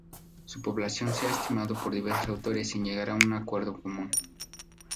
Su población se ha estimado por diversos autores sin llegar a un acuerdo común.